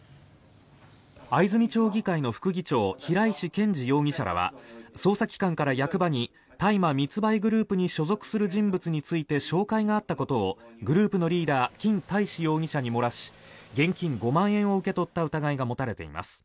藍住町議会の副議長平石賢治容疑者らは捜査機関から役場に大麻密売グループに所属する人物について照会があったことをグループのリーダーキン・タイシ容疑者に漏らし現金５万円を受け取った疑いが持たれています。